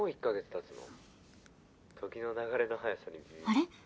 あれ？